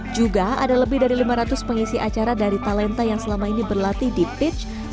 juga ada lebih dari lima ratus pengisi acara dari talenta yang selama ini berlatih di pitch